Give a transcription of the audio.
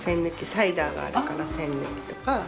サイダーがあるから栓抜きとか。